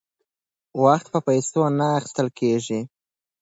وخت په پیسو نه اخیستل کیږي.